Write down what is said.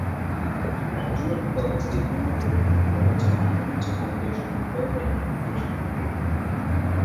The Graduate Pearls diploma program provides a comprehensive foundation in pearl identification and grading.